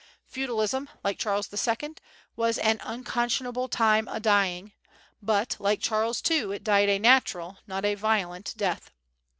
Feudalism, like Charles II, was an "unconscionable time a dying," but, like Charles, too, it died a natural, not a violent, death.